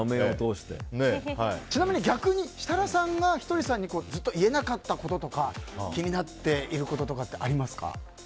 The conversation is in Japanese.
ちなみに逆に設楽さんがひとりさんにずっと言えなかったこととか気になってることはありますか？